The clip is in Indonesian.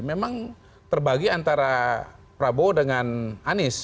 memang terbagi antara prabowo dengan anies